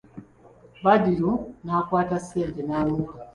Badru n'akwata ssente n'amuwa.